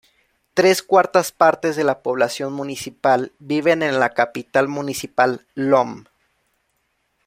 Tres cuartas partes de la población municipal viven en la capital municipal Lom.